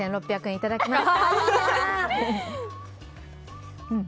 ４６００円、いただきます。